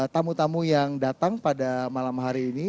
tamu tamu yang datang pada malam hari ini